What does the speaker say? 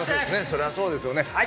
そりゃそうですよね。